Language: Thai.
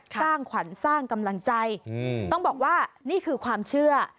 สร้างขวัญสร้างกำลังใจต้องบอกว่านี่คือความเชื่อ